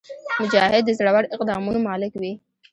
مجاهد د زړور اقدامونو مالک وي.